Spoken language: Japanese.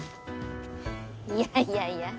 いやいやいや。